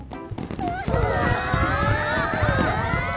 うわ！